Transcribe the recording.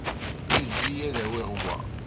Eǧǧ-iyi ad awiɣ wa.